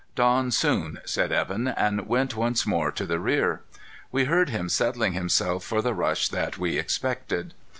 "Dawn soon," said Evan and went once more to the rear. We heard him settling himself for the rush that we expected.